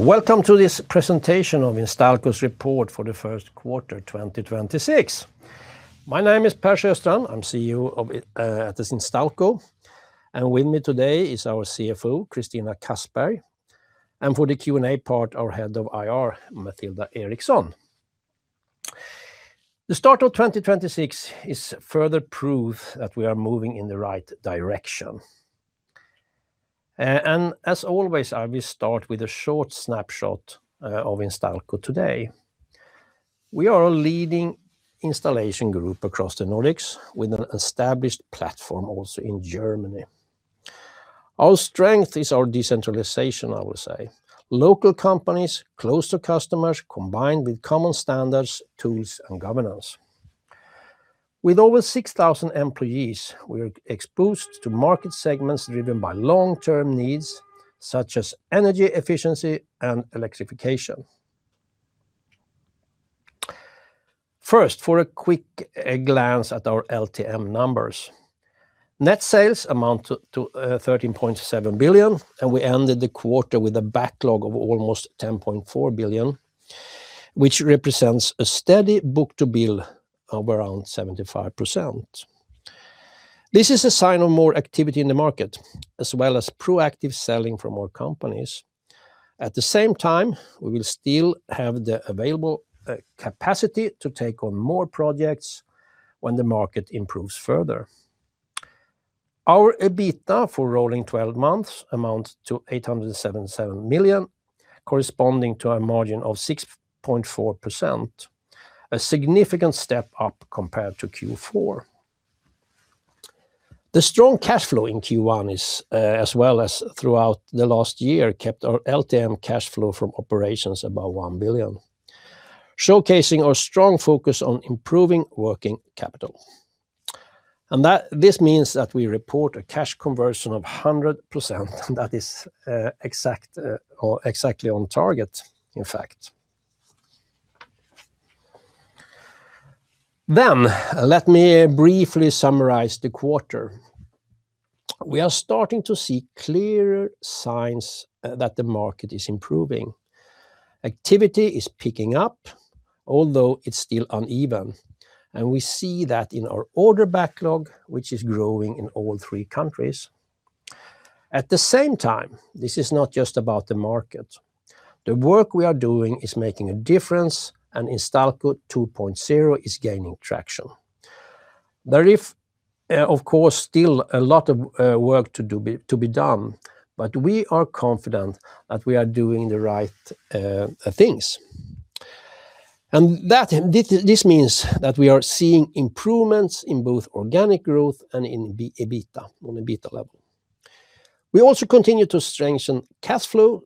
Welcome to this presentation of Instalco's report for the first quarter 2026. My name is Per Sjöstrand. I'm CEO at the Instalco, and with me today is our CFO, Christina Kassberg, and for the Q&A part, our Head of IR, Mathilda Eriksson. The start of 2026 is further proof that we are moving in the right direction. As always, I will start with a short snapshot of Instalco today. We are a leading installation group across the Nordics with an established platform also in Germany. Our strength is our decentralization, I will say. Local companies close to customers, combined with common standards, tools, and governance. With over 6,000 employees, we're exposed to market segments driven by long-term needs, such as energy efficiency and electrification. First, for a quick glance at our LTM numbers. Net sales amount to 13.7 billion, and we ended the quarter with a backlog of almost 10.4 billion, which represents a steady book-to-bill of around 75%. This is a sign of more activity in the market, as well as proactive selling from our companies. At the same time, we will still have the available capacity to take on more projects when the market improves further. Our EBITDA for rolling 12 months amounts to 877 million, corresponding to a margin of 6.4%, a significant step up compared to Q4. The strong cash flow in Q1 is as well as throughout the last year, kept our LTM cash flow from operations above 1 billion, showcasing our strong focus on improving working capital. This means that we report a cash conversion of 100%. That is exact or exactly on target, in fact. Let me briefly summarize the quarter. We are starting to see clearer signs that the market is improving. Activity is picking up, although it's still uneven, and we see that in our order backlog, which is growing in all three countries. At the same time, this is not just about the market. The work we are doing is making a difference, and Instalco 2.0 is gaining traction. There is, of course, still a lot of work to be done, but we are confident that we are doing the right things. That means that we are seeing improvements in both organic growth and on EBITDA level. We also continue to strengthen cash flow.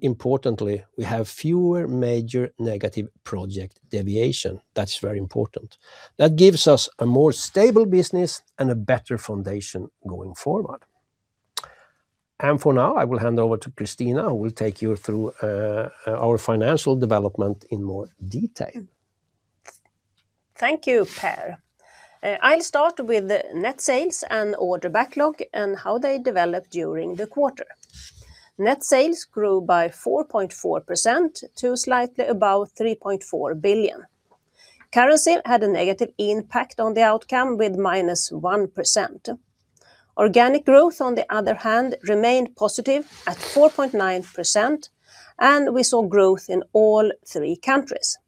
Importantly, we have fewer major negative project deviation. That's very important. That gives us a more stable business and a better foundation going forward. For now, I will hand over to Christina, who will take you through our financial development in more detail. Thank you, Per. I'll start with the net sales and order backlog and how they developed during the quarter. Net sales grew by 4.4% to slightly above 3.4 billion. Currency had a negative impact on the outcome with -1%. Organic growth, on the other hand, remained positive at 4.9%, and we saw growth in all three countries.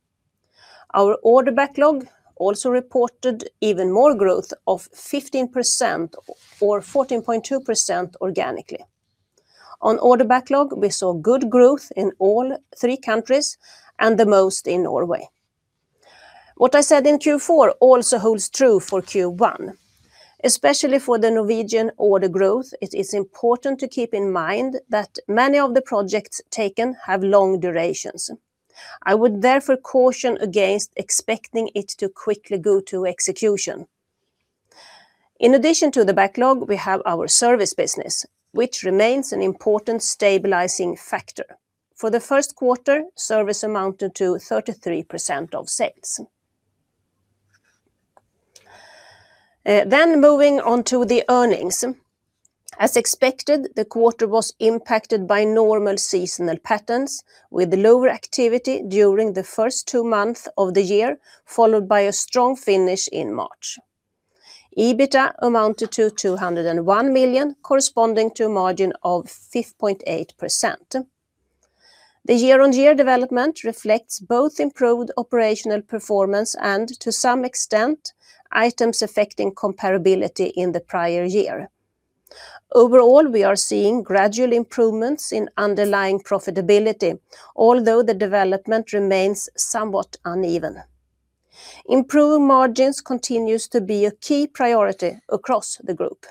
Our order backlog also reported even more growth of 15% or 14.2% organically. On order backlog, we saw good growth in all three countries, and the most in Norway. What I said in Q4 also holds true for Q1. Especially for the Norwegian order growth, it is important to keep in mind that many of the projects taken have long durations. I would therefore caution against expecting it to quickly go to execution. In addition to the backlog, we have our service business, which remains an important stabilizing factor. For the first quarter, service amounted to 33% of sales. Moving on to the earnings. As expected, the quarter was impacted by normal seasonal patterns with lower activity during the first two months of the year, followed by a strong finish in March. EBITDA amounted to 201 million, corresponding to a margin of 5.8%. The year-on-year development reflects both improved operational performance and to some extent, items affecting comparability in the prior year. Overall, we are seeing gradual improvements in underlying profitability, although the development remains somewhat uneven. Improved margins continues to be a key priority across the group.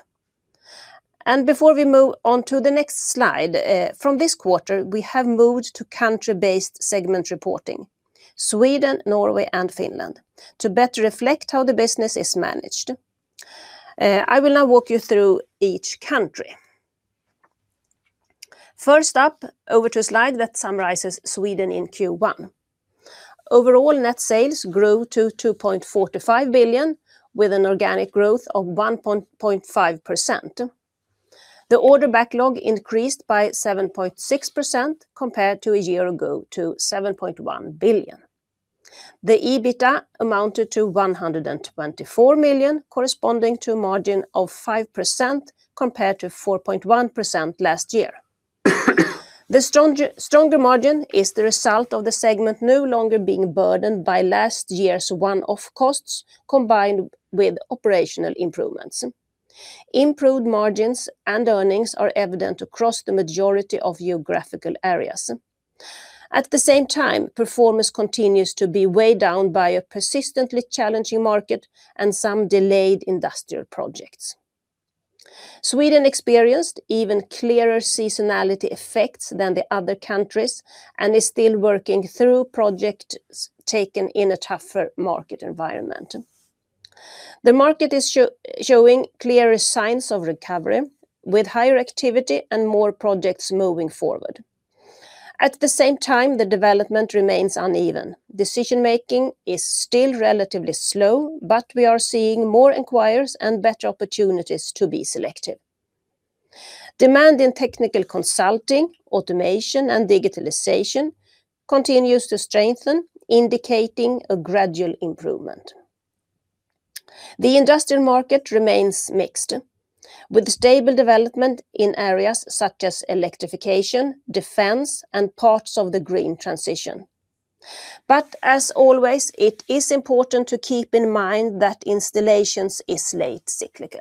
Before we move on to the next slide, from this quarter, we have moved to country-based segment reporting, Sweden, Norway, and Finland, to better reflect how the business is managed. I will now walk you through each country. First up, over to a slide that summarizes Sweden in Q1. Overall net sales grew to 2.45 billion, with an organic growth of 1.5%. The order backlog increased by 7.6% compared to a year ago to 7.1 billion. The EBITDA amounted to 124 million, corresponding to a margin of 5%, compared to 4.1% last year. The stronger margin is the result of the segment no longer being burdened by last year's one-off costs, combined with operational improvements. Improved margins and earnings are evident across the majority of geographical areas. Performance continues to be weighed down by a persistently challenging market and some delayed industrial projects. Sweden experienced even clearer seasonality effects than the other countries, is still working through projects taken in a tougher market environment. The market is showing clearer signs of recovery, with higher activity and more projects moving forward. At the same time, the development remains uneven. Decision-making is still relatively slow, but we are seeing more inquiries and better opportunities to be selective. Demand in technical consulting, automation, and digitalization continues to strengthen, indicating a gradual improvement. The industrial market remains mixed, with stable development in areas such as electrification, defense, and parts of the green transition. As always, it is important to keep in mind that installations is late cyclical.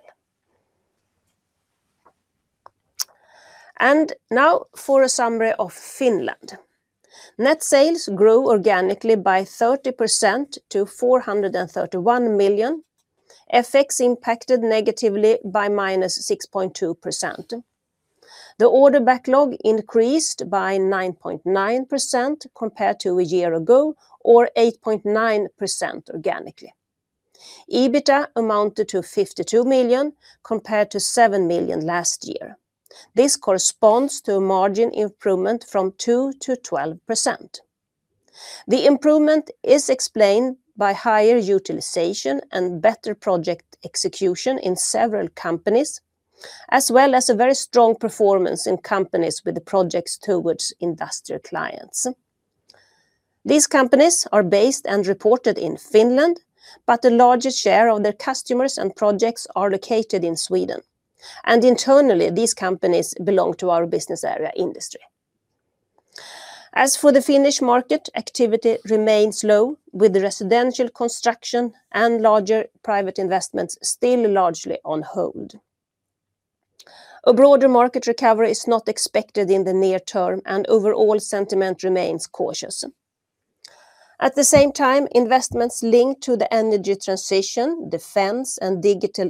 Now for a summary of Finland. Net sales grew organically by 30% to 431 million, FX impacted negatively by -6.2%. The order backlog increased by 9.9% compared to a year ago, or 8.9% organically. EBITDA amounted to 52 million, compared to 7 million last year. This corresponds to a margin improvement from 2% to 12%. The improvement is explained by higher utilization and better project execution in several companies, as well as a very strong performance in companies with the projects towards industrial clients. These companies are based and reported in Finland, but the largest share of their customers and projects are located in Sweden, and internally these companies belong to our business area industry. As for the Finnish market, activity remains low, with residential construction and larger private investments still largely on hold. A broader market recovery is not expected in the near term, and overall sentiment remains cautious. At the same time, investments linked to the energy transition, defense, and digital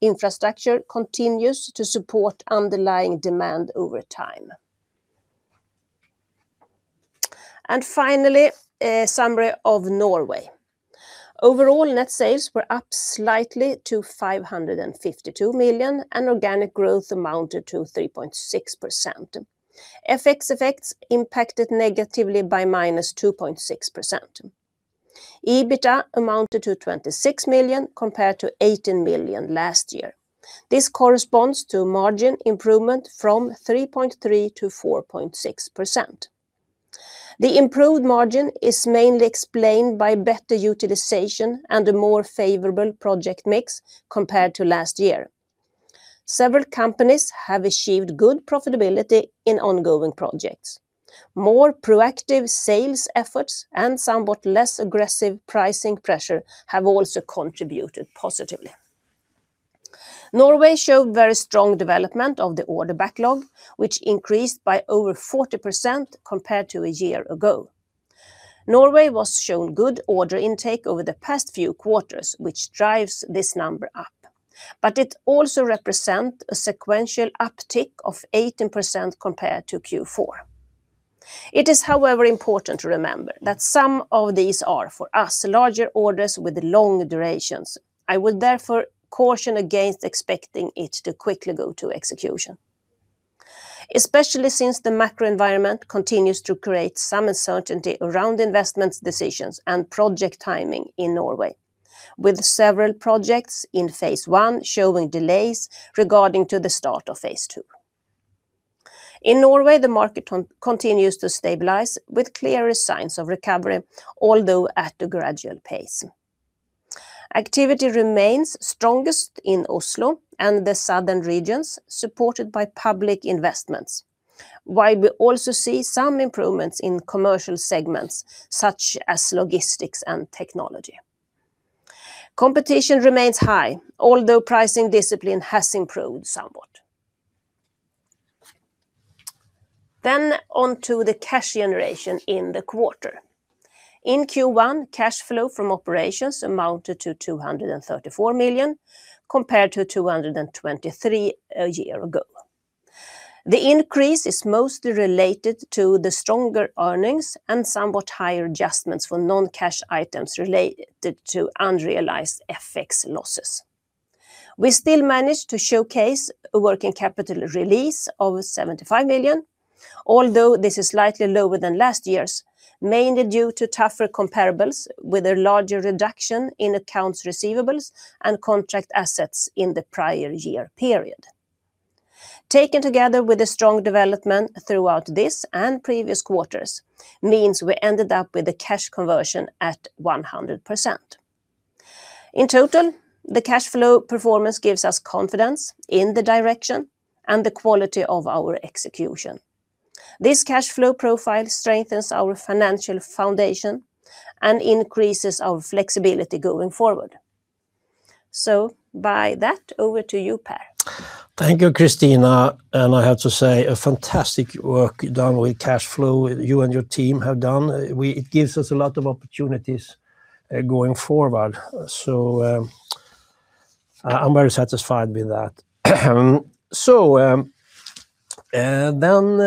infrastructure continues to support underlying demand over time. Finally, a summary of Norway. Overall net sales were up slightly to 552 million, and organic growth amounted to 3.6%. FX effects impacted negatively by -2.6%. EBITDA amounted to 26 million, compared to 18 million last year. This corresponds to margin improvement from 3.3% to 4.6%. The improved margin is mainly explained by better utilization and a more favorable project mix compared to last year. Several companies have achieved good profitability in ongoing projects. More proactive sales efforts and somewhat less aggressive pricing pressure have also contributed positively. Norway showed very strong development of the order backlog, which increased by over 40% compared to a year ago. Norway was shown good order intake over the past few quarters, which drives this number up, but it also represent a sequential uptick of 18% compared to Q4. It is, however, important to remember that some of these are for us larger orders with long durations. I would therefore caution against expecting it to quickly go to execution, especially since the macro environment continues to create some uncertainty around investment decisions and project timing in Norway, with several projects in phase one showing delays regarding the start of phase two. In Norway, the market continues to stabilize with clearer signs of recovery, although at a gradual pace. Activity remains strongest in Oslo and the southern regions, supported by public investments, while we also see some improvements in commercial segments such as logistics and technology. Competition remains high, although pricing discipline has improved somewhat. Onto the cash generation in the quarter. In Q1, cash flow from operations amounted to 234 million, compared to 223 million a year ago. The increase is mostly related to the stronger earnings and somewhat higher adjustments for non-cash items related to unrealized FX losses. We still managed to showcase a working capital release of 75 million, although this is slightly lower than last year's, mainly due to tougher comparables with a larger reduction in accounts receivables and contract assets in the prior year period. Taken together with a strong development throughout this and previous quarters, means we ended up with a cash conversion at 100%. In total, the cash flow performance gives us confidence in the direction and the quality of our execution. This cash flow profile strengthens our financial foundation and increases our flexibility going forward. By that, over to you, Per. Thank you, Christina. I have to say, a fantastic work done with cash flow, you and your team have done. It gives us a lot of opportunities going forward. I'm very satisfied with that. Then,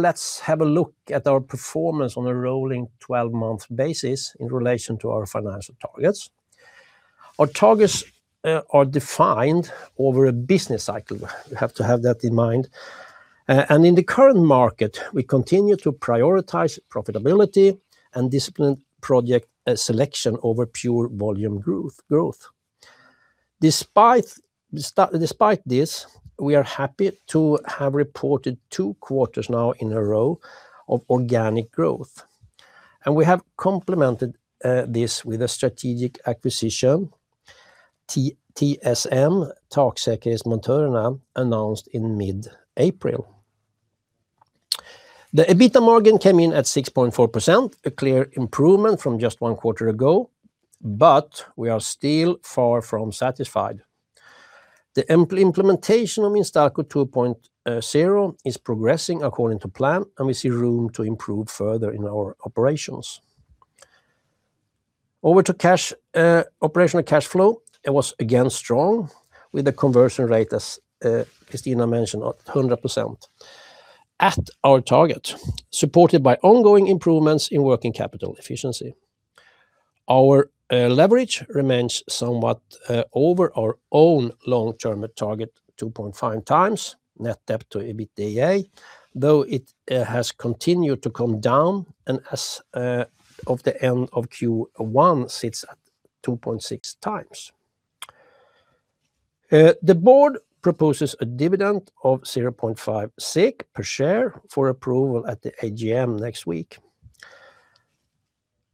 let's have a look at our performance on a rolling 12-month basis in relation to our financial targets. Our targets are defined over a business cycle. You have to have that in mind. In the current market, we continue to prioritize profitability and disciplined project selection over pure volume growth. Despite this, we are happy to have reported two quarters now in a row of organic growth, and we have complemented this with a strategic acquisition, TSM, Taksäkerhetsmontörerna, announced in mid-April. The EBITDA margin came in at 6.4%, a clear improvement from just one quarter ago, but we are still far from satisfied. The implementation of Instalco 2.0 is progressing according to plan, and we see room to improve further in our operations. Over to cash operational cash flow, it was again strong with the conversion rate, as Christina mentioned, at 100%. At our target, supported by ongoing improvements in working capital efficiency. Our leverage remains somewhat over our own long-term target, 2.5x net debt to EBITDA, though it has continued to come down and as of the end of Q1 sits at 2.6x. The board proposes a dividend of 0.5 per share for approval at the AGM next week.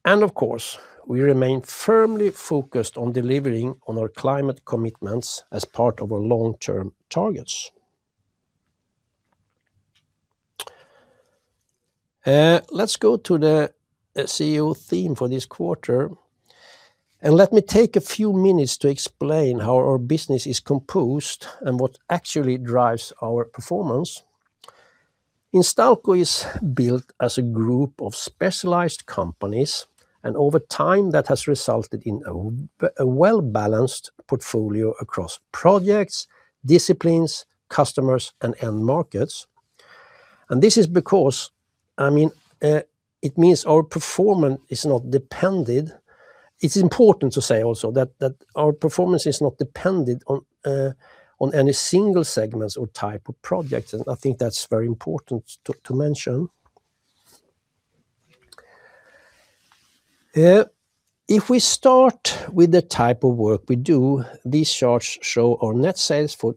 Of course, we remain firmly focused on delivering on our climate commitments as part of our long-term targets. Let's go to the CEO theme for this quarter, and let me take a few minutes to explain how our business is composed and what actually drives our performance. Instalco is built as a group of specialized companies. Over time that has resulted in a well-balanced portfolio across projects, disciplines, customers, and end markets. This is because, I mean, it means our performance is not dependent. It's important to say also that our performance is not dependent on any single segments or type of projects. I think that's very important to mention. If we start with the type of work we do, these charts show our net sales for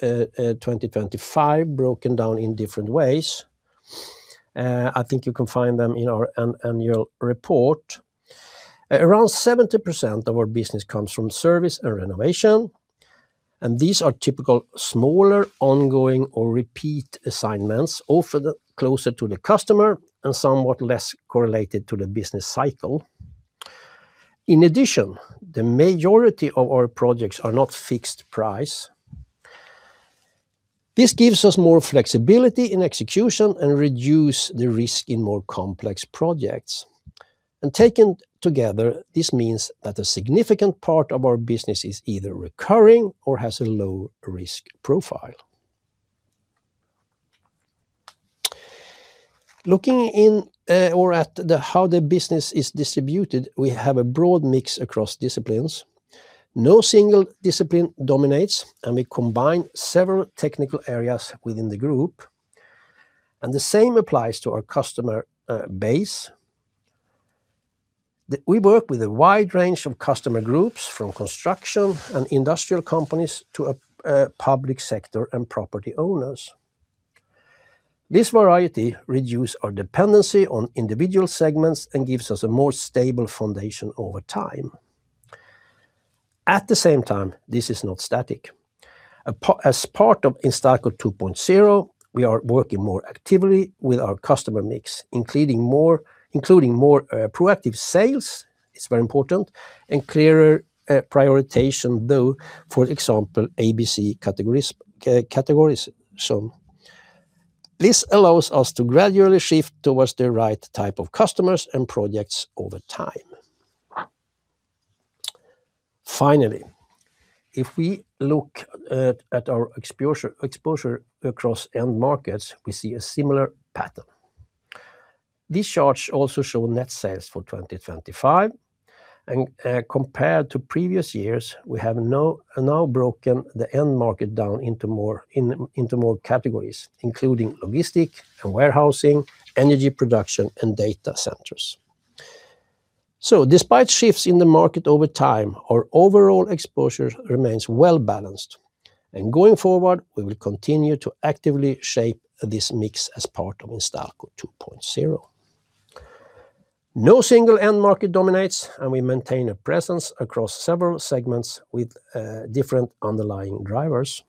2025 broken down in different ways. I think you can find them in our annual report. Around 70% of our business comes from service and renovation, and these are typical smaller, ongoing or repeat assignments, often closer to the customer and somewhat less correlated to the business cycle. In addition, the majority of our projects are not fixed price. This gives us more flexibility in execution and reduce the risk in more complex projects. Taken together, this means that a significant part of our business is either recurring or has a low-risk profile. Looking at how the business is distributed, we have a broad mix across disciplines. No single discipline dominates, and we combine several technical areas within the group, and the same applies to our customer base. We work with a wide range of customer groups, from construction and industrial companies to a public sector and property owners. This variety reduce our dependency on individual segments and gives us a more stable foundation over time. At the same time, this is not static. As part of Instalco 2.0, we are working more actively with our customer mix, including more proactive sales, it's very important, and clearer prioritization though, for example, ABC categories. This allows us to gradually shift towards the right type of customers and projects over time. If we look at our exposure across end markets, we see a similar pattern. These charts also show net sales for 2025. Compared to previous years, we have now broken the end market down into more categories, including logistic and warehousing, energy production, and data centers. Despite shifts in the market over time, our overall exposure remains well-balanced. Going forward, we will continue to actively shape this mix as part of Instalco 2.0. No single end market dominates, and we maintain a presence across several segments with different underlying drivers.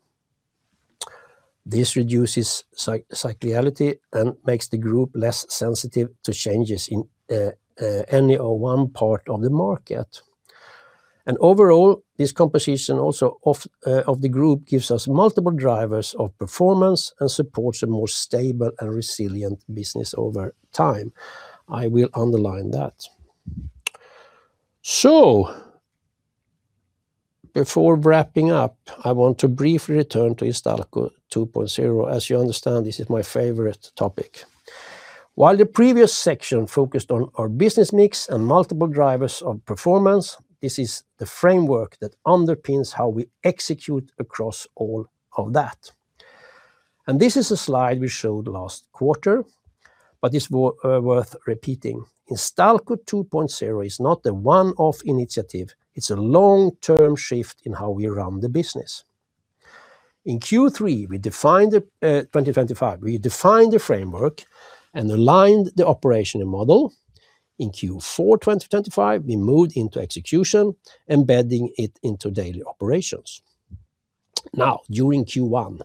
This reduces cyclicality and makes the group less sensitive to changes in any or one part of the market. Overall, this composition also of the group gives us multiple drivers of performance and supports a more stable and resilient business over time. I will underline that. Before wrapping up, I want to briefly return to Instalco 2.0. As you understand, this is my favorite topic. While the previous section focused on our business mix and multiple drivers of performance, this is the framework that underpins how we execute across all of that. This is a slide we showed last quarter, but it's worth repeating. Instalco 2.0 is not a one-off initiative. It's a long-term shift in how we run the business. In Q3, we defined the framework and aligned the operational model. In Q4 2025, we moved into execution, embedding it into daily operations. During Q1,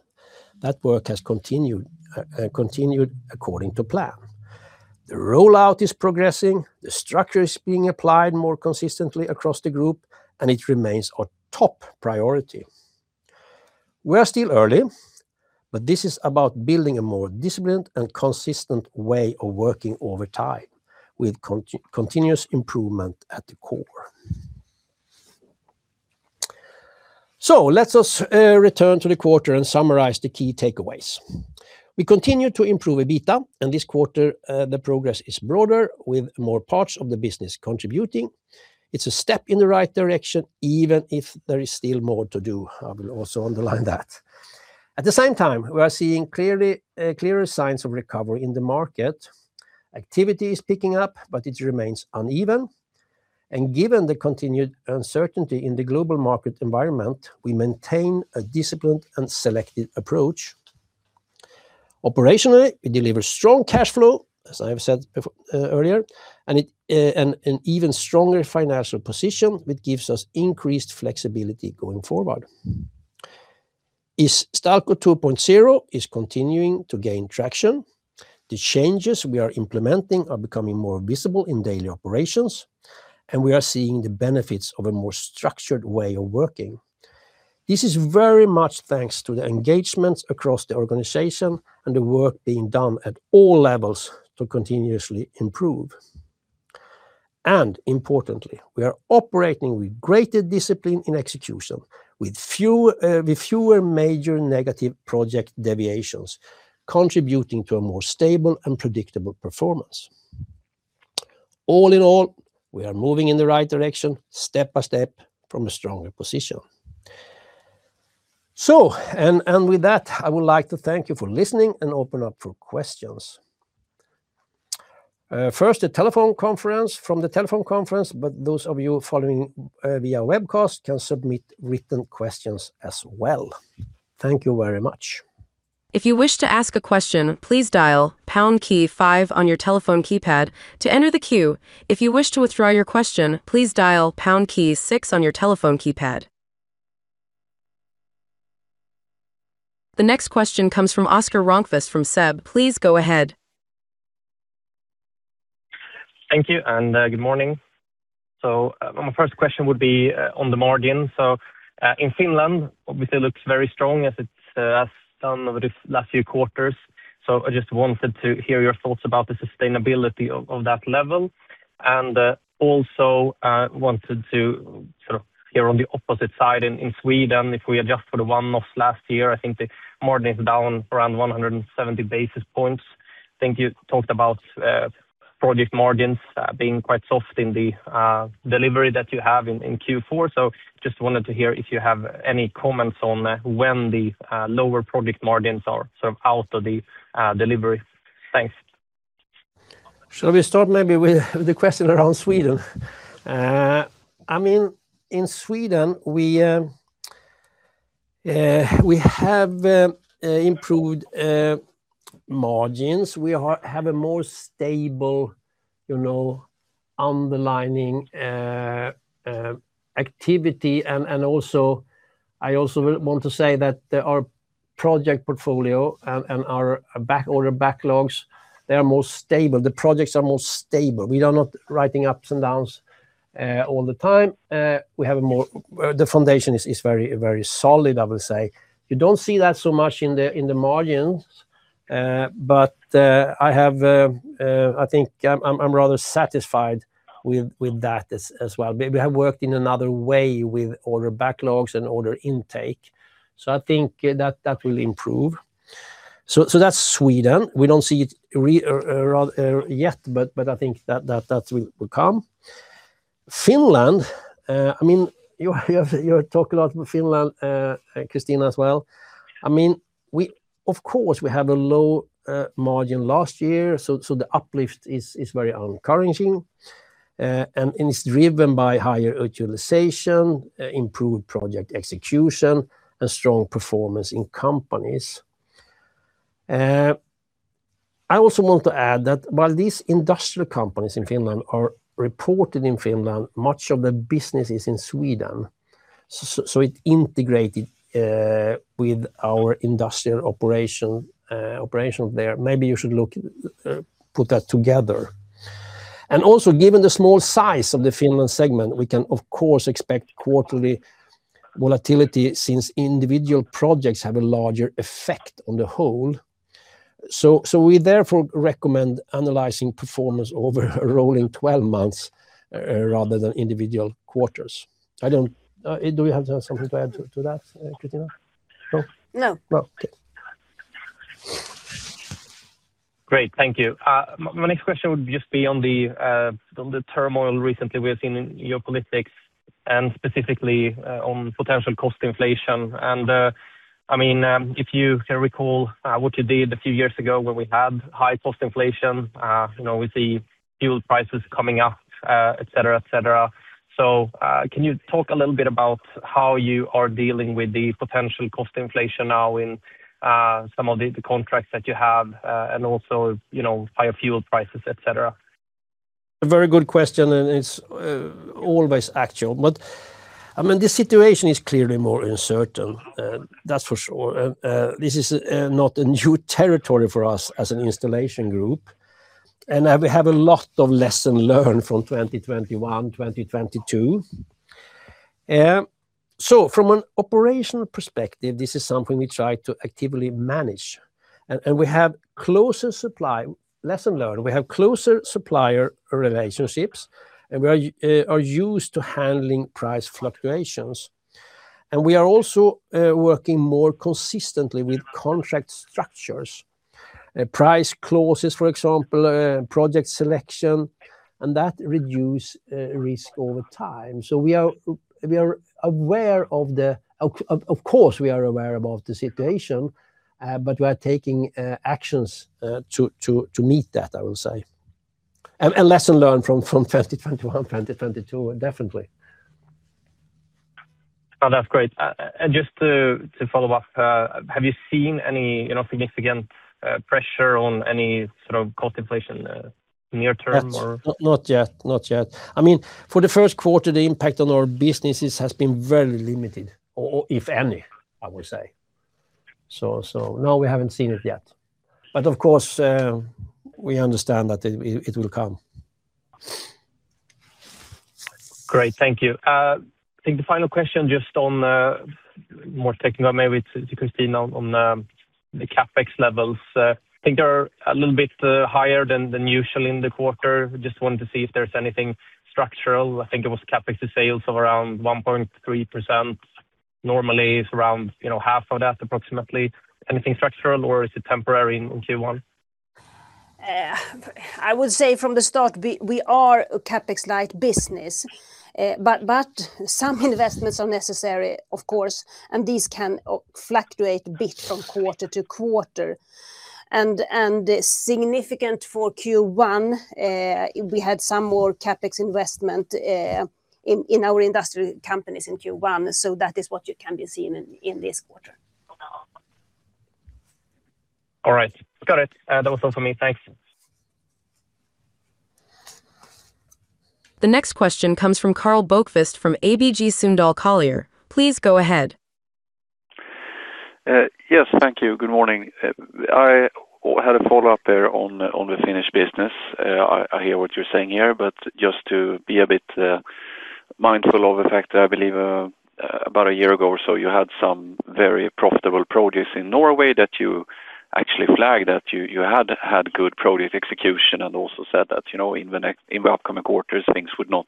that work has continued according to plan. The rollout is progressing, the structure is being applied more consistently across the group, and it remains our top priority. We are still early, but this is about building a more disciplined and consistent way of working over time, with continuous improvement at the core. Let us return to the quarter and summarize the key takeaways. We continue to improve EBITDA, and this quarter, the progress is broader, with more parts of the business contributing. It's a step in the right direction, even if there is still more to do. I will also underline that. At the same time, we are seeing clearly clearer signs of recovery in the market. Activity is picking up, but it remains uneven. Given the continued uncertainty in the global market environment, we maintain a disciplined and selective approach. Operationally, we deliver strong cash flow, as I have said earlier, and an even stronger financial position, which gives us increased flexibility going forward. Instalco 2.0 is continuing to gain traction. The changes we are implementing are becoming more visible in daily operations, and we are seeing the benefits of a more structured way of working. This is very much thanks to the engagement across the organization and the work being done at all levels to continuously improve. Importantly, we are operating with greater discipline in execution, with fewer major negative project deviations, contributing to a more stable and predictable performance. All in all, we are moving in the right direction, step by step, from a stronger position. With that, I would like to thank you for listening and open up for questions. First, from the telephone conference, but those of you following via webcast can submit written questions as well. Thank you very much. The next question comes from Oscar Rönnkvist from SEB. Please go ahead. Thank you and good morning. My first question would be on the margin. In Finland, obviously looks very strong as it's as some of the last few quarters. Also wanted to sort of hear on the opposite side in Sweden, if we adjust for the one-offs last year, I think the margin is down around 170 basis points. I think you talked about project margins being quite soft in the delivery that you have in Q4. Just wanted to hear if you have any comments on when the lower project margins are sort of out of the delivery. Thanks. Shall we start maybe with the question around Sweden? In Sweden, we have improved margins. We are, have a more stable, you know, underlining activity. Also, I also want to say that our project portfolio and our back order backlogs, they are more stable. The projects are more stable. We are not riding ups and downs all the time. The foundation is very solid, I will say. You don't see that so much in the margins. But, I have I think I'm rather satisfied with that as well. We have worked in another way with order backlogs and order intake. I think that will improve. That's Sweden. We don't see it rather yet, but I think that will come. Finland, I mean, you talk a lot about Finland, Christina as well. I mean, of course, we have a low margin last year, so the uplift is very encouraging. It's driven by higher utilization, improved project execution, and strong performance in companies. I also want to add that while these industrial companies in Finland are reported in Finland, much of the business is in Sweden. So it integrated with our industrial operation there. Maybe you should look, put that together. Also, given the small size of the Finland segment, we can of course expect quarterly volatility since individual projects have a larger effect on the whole. We therefore recommend analyzing performance over a rolling 12 months, rather than individual quarters. Do we have something to add to that, Christina? No? No. No? Okay. Great. Thank you. My next question would just be on the turmoil recently we have seen in geopolitics, and specifically, on potential cost inflation. I mean, if you can recall, what you did a few years ago when we had high cost inflation, you know, we see fuel prices coming up, et cetera, et cetera. Can you talk a little bit about how you are dealing with the potential cost inflation now in some of the contracts that you have, and also, you know, higher fuel prices, et cetera? A very good question, it's always actual. I mean, the situation is clearly more uncertain, that's for sure. This is not a new territory for us as an installation group. We have a lot of lesson learned from 2021, 2022. From an operational perspective, this is something we try to actively manage. We have closer lesson learned, we have closer supplier relationships, we are used to handling price fluctuations. We are also working more consistently with contract structures. Price clauses, for example, project selection, that reduce risk over time. Of course, we are aware about the situation, but we are taking actions to meet that, I will say. Lesson learned from 2021, 2022, definitely. Oh, that's great. Just to follow up, have you seen any, you know, significant pressure on any sort of cost inflation near term? Not yet. Not yet. I mean, for the first quarter, the impact on our businesses has been very limited or if any, I will say. No, we haven't seen it yet. Of course, we understand that it will come. Great. Thank you. I think the final question just on more technical maybe to Christina Kassberg on the CapEx levels. I think they're a little bit higher than usual in the quarter. Just wanted to see if there's anything structural. I think it was CapEx to sales of around 1.3%. Normally, it's around, you know, 0.5% approximately. Anything structural, or is it temporary in Q1? I would say from the start, we are a CapEx light business. Some investments are necessary, of course, and these can fluctuate a bit from quarter to quarter. Significant for Q1, we had some more CapEx investment in our industrial companies in Q1. That is what you can be seeing in this quarter. All right. Got it. That was all for me. Thanks. The next question comes from Karl Bokvist from ABG Sundal Collier. Please go ahead. Yes, thank you. Good morning. I had a follow-up there on the Finnish business. I hear what you're saying here, just to be a bit mindful of the fact that I believe about a year ago or so, you had some very profitable projects in Norway that you actually flagged that you had had good project execution and also said that, you know, in the upcoming quarters, things would not,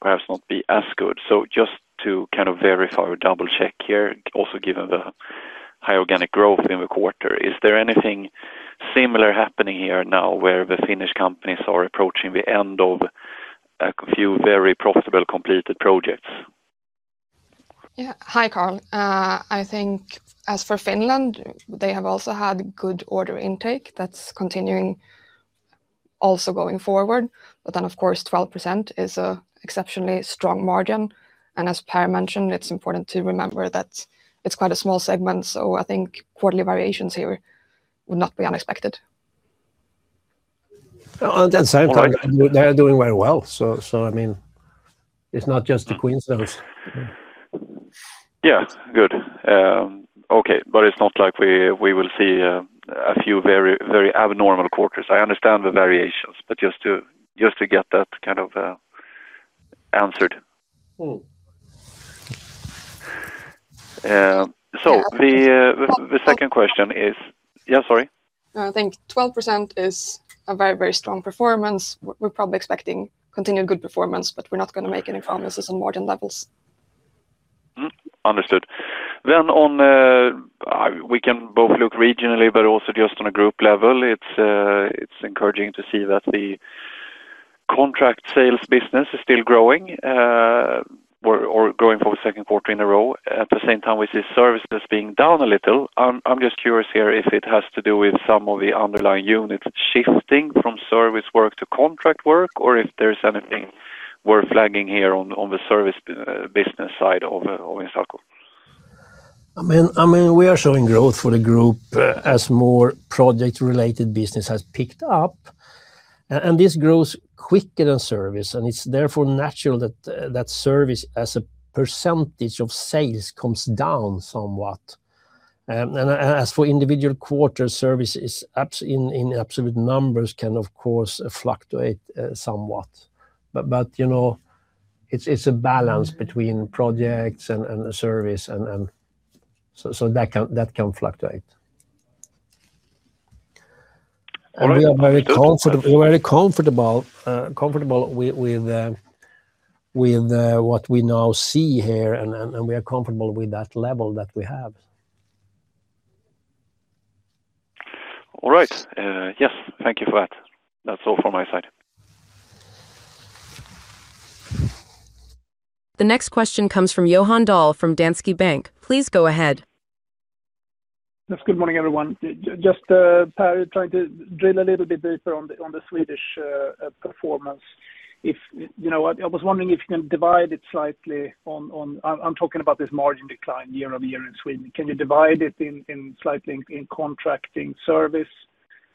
perhaps not be as good. Just to kind of verify or double-check here, also given the high organic growth in the quarter, is there anything similar happening here now where the Finnish companies are approaching the end of a few very profitable completed projects? Yeah. Hi, Karl. I think as for Finland, they have also had good order intake that's continuing also going forward. Of course, 12% is a exceptionally strong margin. As Per mentioned, it's important to remember that it's quite a small segment, so I think quarterly variations here would not be unexpected. On that same time, they are doing very well. I mean, it's not just the Queen cells. Yeah. Good. Okay. It's not like we will see a few very, very abnormal quarters. I understand the variations, but just to get that kind of answered. Mm-hmm. The second question is. Yeah, sorry. I think 12% is a very, very strong performance. We're probably expecting continued good performance, but we're not gonna make any promises on margin levels. Understood. On, we can both look regionally, but also just on a group level. It's encouraging to see that the contract sales business is still growing, or growing for a second quarter in a row. At the same time, we see service as being down a little. I'm just curious here if it has to do with some of the underlying units shifting from service work to contract work, or if there's anything worth flagging here on the service business side of Instalco. I mean, we are showing growth for the group as more project related business has picked up, and this grows quicker than service, and it's therefore natural that service as a percentage of sales comes down somewhat. As for individual quarter services in absolute numbers can of course fluctuate somewhat. You know, it's a balance between projects and the service and so that can fluctuate. All right. We are very comfortable with what we now see here, and we are comfortable with that level that we have. All right. Yes, thank you for that. That's all from my side. The next question comes from Johan Dahl from Danske Bank. Please go ahead. Yes. Good morning, everyone. Per, trying to drill a little bit deeper on the Swedish performance. You know, I was wondering if you can divide it slightly on, I'm talking about this margin decline year-over-year in Sweden. Can you divide it in slightly in contracting service?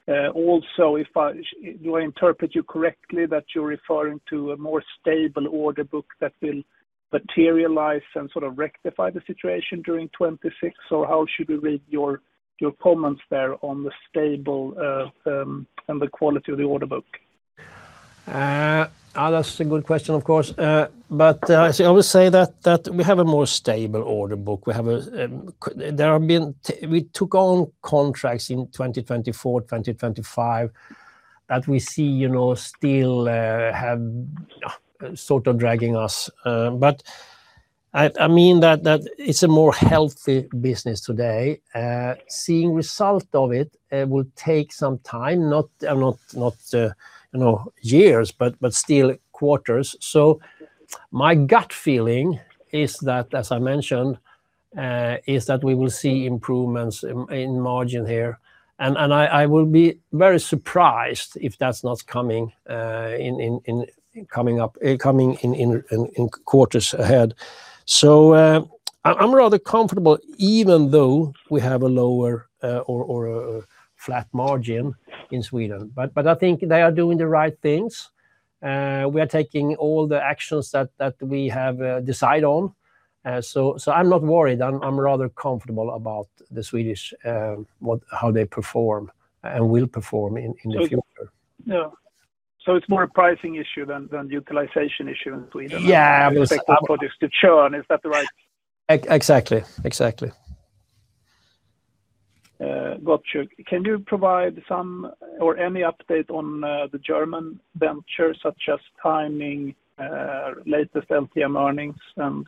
Do I interpret you correctly that you're referring to a more stable order book that will materialize and sort of rectify the situation during 2026? How should we read your comments there on the stable and the quality of the order book? That's a good question, of course. I will say that we have a more stable order book. We took on contracts in 2024, 2025 that we see, you know, still have sort of dragging us. I mean that it's a more healthy business today. Seeing result of it will take some time, not, you know, years, but still quarters. My gut feeling is that, as I mentioned, is that we will see improvements in margin here. I will be very surprised if that's not coming in quarters ahead. I'm rather comfortable even though we have a lower or a flat margin in Sweden. I think they are doing the right things. We are taking all the actions that we have decide on. I'm not worried. I'm rather comfortable about the Swedish, what, how they perform and will perform in the future. Yeah. It's more a pricing issue than utilization issue in Sweden. Yeah. I expect output is to churn. Is that the right- Exactly. Got you. Can you provide some or any update on the German venture, such as timing, latest LTM earnings and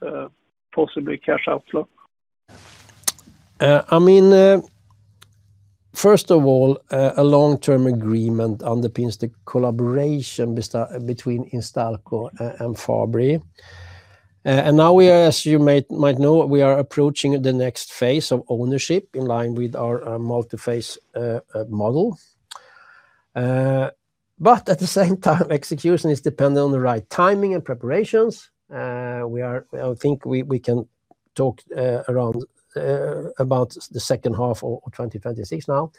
possibly cash outflow? I mean, first of all, a long-term agreement underpins the collaboration between Instalco and Fabri. Now we are, as you might know, we are approaching the next phase of ownership in line with our multi-phase model. At the same time, execution is dependent on the right timing and preparations. I think we can talk about the second half of 2026 now.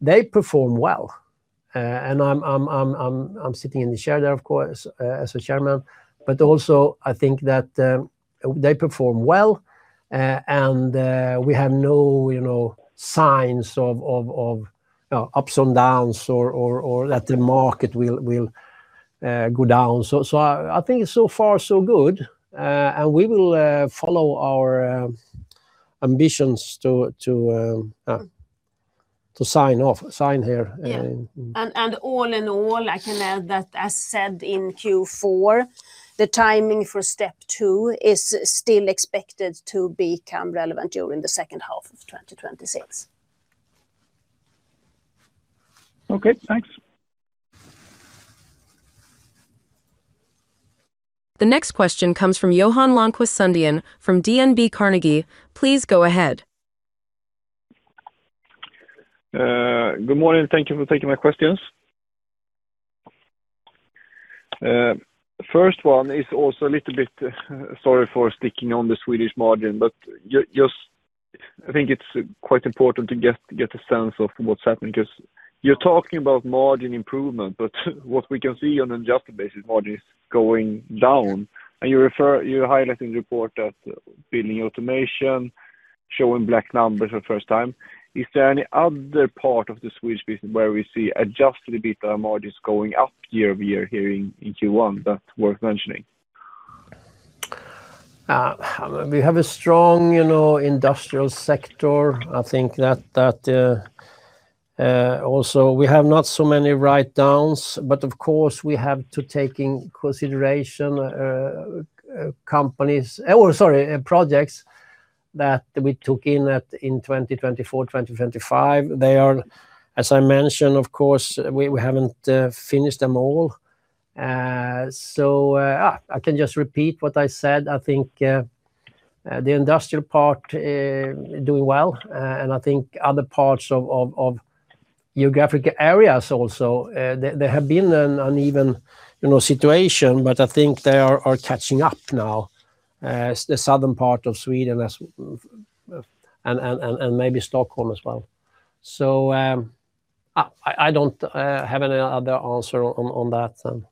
They perform well, and I'm sitting in the chair there, of course, as a chairman, but also I think that they perform well, and we have no, you know, signs of ups and downs or that the market will go down. I think so far so good, and we will follow our ambitions to sign off, sign here. Yeah. All in all, I can add that as said in Q4, the timing for step two is still expected to become relevant during the second half of 2026. Okay, thanks. The next question comes from Johan Lönnqvist Sundén from DNB Carnegie. Please go ahead. Good morning. Thank you for taking my questions. First one is also a little bit, sorry for sticking on the Swedish margin, but just I think it's quite important to get a sense of what's happening, because you're talking about margin improvement, but what we can see on adjusted basis margin is going down. You refer-- You're highlighting the report that building automation showing black numbers for the first time. Is there any other part of the Swedish business where we see adjusted EBITDA margins going up year-over-year here in Q1 that's worth mentioning? We have a strong, you know, industrial sector. I think that also we have not so many write-downs, but of course, we have to take in consideration companies or sorry, projects that we took in in 2024, 2025. They are, as I mentioned, of course, we haven't finished them all. I can just repeat what I said. I think the industrial part doing well, and I think other parts of geographic areas also, they have been an uneven, you know, situation, but I think they are catching up now, the southern part of Sweden, and maybe Stockholm as well. I don't have any other answer on that.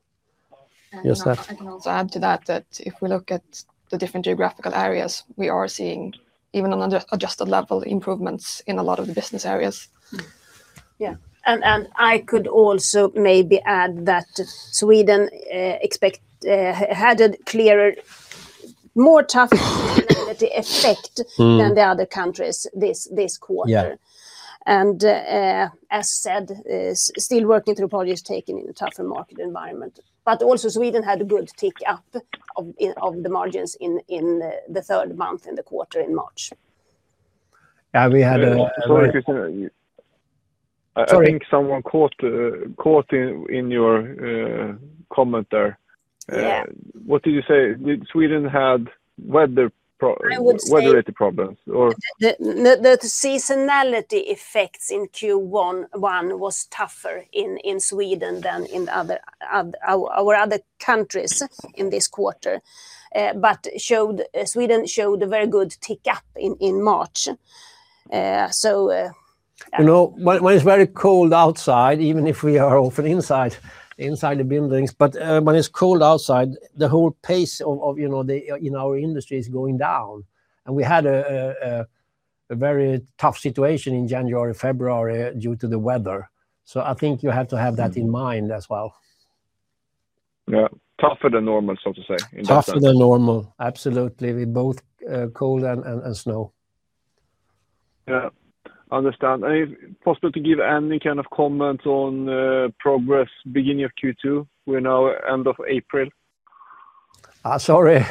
I can also add to that if we look at the different geographical areas, we are seeing even on the adjusted level improvements in a lot of the business areas. Yeah. I could also maybe add that Sweden had a clearer, more tough effect. Mm than the other countries this quarter. Yeah. As said, still working through projects taken in a tougher market environment. Also Sweden had a good tick up of the margins in the third month, in the quarter in March. Have we had? Sorry, Christina Kassberg. Sorry. I think someone caught in your comment there. Yeah. What did you say? Did Sweden had weather pro-? I would say-... weather related problems or? The seasonality effects in Q1 was tougher in Sweden than in the other, our other countries in this quarter. Sweden showed a very good tick up in March. You know, when it's very cold outside, even if we are often inside the buildings, but when it's cold outside, the whole pace of, you know, in our industry is going down. We had a very tough situation in January, February due to the weather. I think you have to have that in mind as well. Yeah. Tougher than normal, so to say, in that sense. Tougher than normal. Absolutely. With both cold and snow. Yeah. Understand. Any, possible to give any kind of comment on progress beginning of Q2? We're now end of April. Sorry.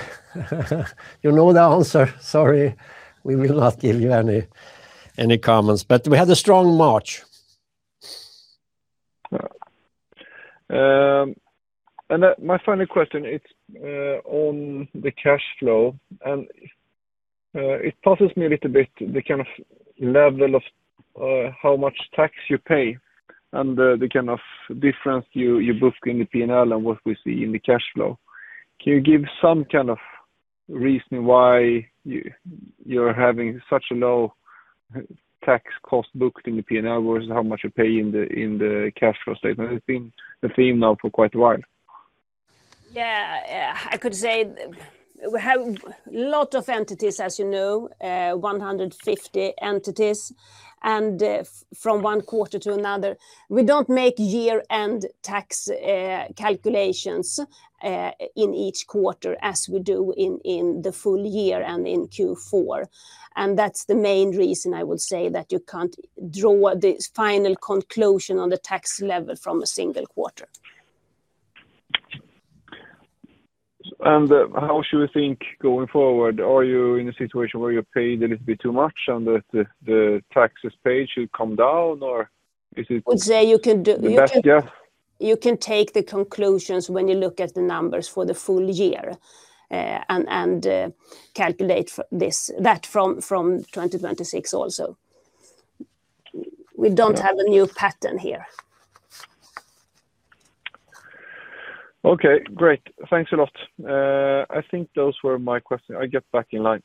You know the answer. Sorry. We will not give you any comments. We had a strong March. Yeah. My final question, it's on the cash flow, and it puzzles me a little bit the kind of level of how much tax you pay and the kind of difference you book in the P&L and what we see in the cash flow. Can you give some kind of reason why you're having such a low tax cost booked in the P&L versus how much you pay in the cash flow statement? It's been a theme now for quite a while. Yeah. I could say we have lot of entities, as you know, 150 entities, and from one quarter to another. We don't make year-end tax, calculations, in each quarter as we do in the full year and in Q4. That's the main reason I would say that you can't draw the final conclusion on the tax level from a single quarter. How should we think going forward? Are you in a situation where you paid a little bit too much and the taxes paid should come down? Would say you can do. the best guess? You can take the conclusions when you look at the numbers for the full year, calculate that from 2026 also. We don't have a new pattern here. Okay, great. Thanks a lot. I think those were my question. I get back in line.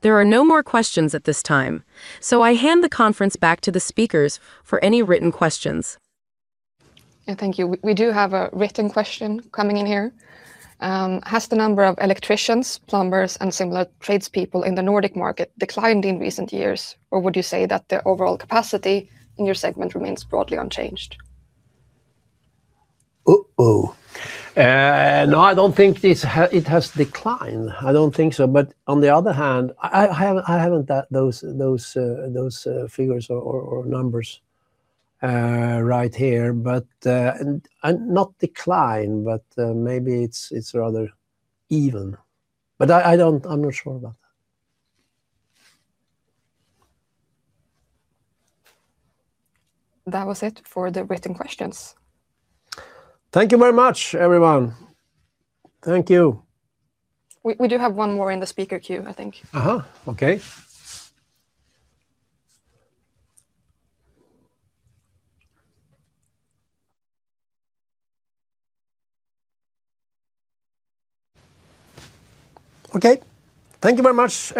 There are no more questions at this time, so I hand the conference back to the speakers for any written questions. Yeah, thank you. We do have a written question coming in here. Has the number of electricians, plumbers, and similar tradespeople in the Nordic market declined in recent years, or would you say that the overall capacity in your segment remains broadly unchanged? No, I don't think it has declined. I don't think so. On the other hand, I haven't that, those figures or numbers right here, and not decline, maybe it's rather even. I don't, I'm not sure about that. That was it for the written questions. Thank you very much, everyone. Thank you. We do have one more in the speaker queue, I think. Uh-huh. Okay. Okay. Thank you very much.